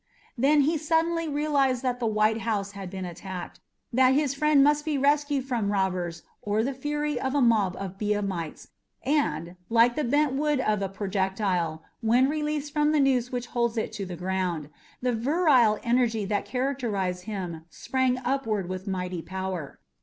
Then he suddenly realized that the white house had been attacked, that his friend must be rescued from robbers or the fury of a mob of Biamites, and, like the bent wood of a projectile when released from the noose which holds it to the ground, the virile energy that characterized him sprang upward with mighty power.